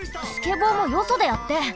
スケボーもよそでやって！